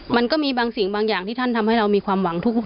มันก็มีบางสิ่งบางอย่างที่ท่านทำให้เรามีความหวังทุก